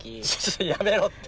やめろって。